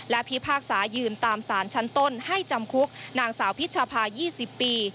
และพิพากษายืนตามสารชั้นต้นให้จำคุกนางสาวพิชภา๒๐ปี